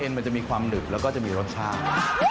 มันจะมีความหนึบแล้วก็จะมีรสชาติ